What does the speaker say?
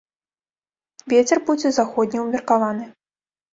Вецер будзе заходні ўмеркаваны.